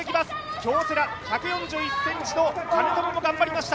京セラ、１４１ｃｍの兼友頑張りました。